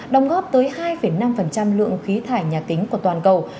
đồng góp tới hai năm lượng khí thải nhà kính của toàn cầu